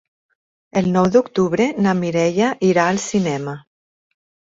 El nou d'octubre na Mireia irà al cinema.